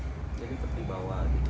jadi seperti bawa gitu